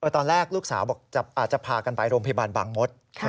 ตอนแรกลูกสาวบอกอาจจะพากันไปโรงพยาบาลบางมศ